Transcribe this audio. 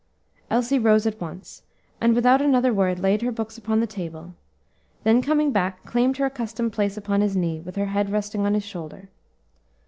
Elsie rose at once, and without another word laid her books upon the table; then coming back, claimed her accustomed place upon his knee, with her head resting on his shoulder.